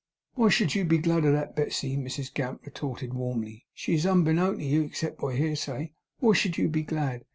'Why should you be glad of that, Betsey?' Mrs Gamp retorted, warmly. 'She is unbeknown to you except by hearsay, why should you be glad?